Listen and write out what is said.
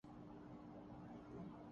عامر خان سے بہار حکومت کی گزارش